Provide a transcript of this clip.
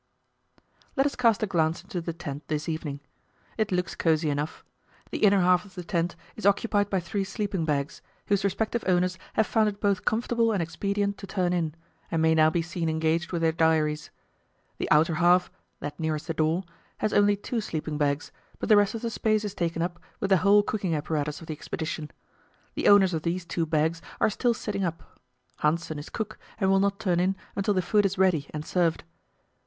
Let us cast a glance into the tent this evening. It looks cosy enough. The inner half of the tent is occupied by three sleeping bags, whose respective owners have found it both comfortable and expedient to turn in, and may now be seen engaged with their diaries. The outer half that nearest the door has only two sleeping bags, but the rest of the space is taken up with the whole cooking apparatus of the expedition. The owners of these two bags are still sitting up. Hanssen is cook, and will not turn in until the food is ready and served.